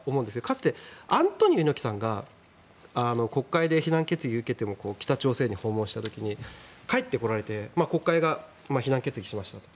かつて、アントニオ猪木さんが国会で非難決議を受けても北朝鮮を訪問した時に帰ってこられて国会が非難決議をしましたと。